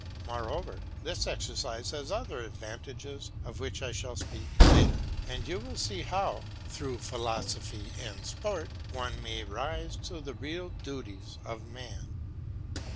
Moreover, this exercise has other advantages of which I shall speak later; and you will see how, through philosophy in sport, one may rise to the real duties of man.